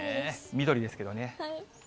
緑ですけどね。